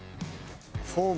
フォーム。